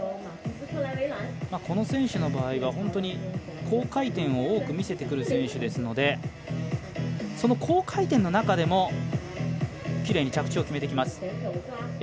この選手の場合は本当に高回転を多く見せてくる選手ですのでその高回転の中でもきれいに着地を決めてきます。